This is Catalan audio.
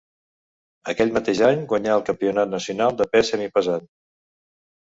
Aquell mateix any guanyà el campionat nacional de pes semipesant.